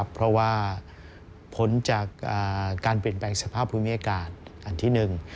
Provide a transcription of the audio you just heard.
เพราะว่าผลจากการเปลี่ยนแปลงสภาพภูมิอากาศอันที่หนึ่ง